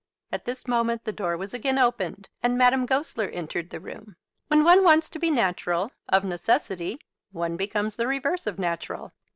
At this moment the door was again opened, and Madame Goesler entered the room. When one wants to be natural, of necessity one becomes the reverse of natural.